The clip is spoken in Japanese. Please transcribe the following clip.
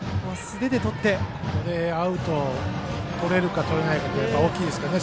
ここでアウトとれるかとれないか大きいですからね。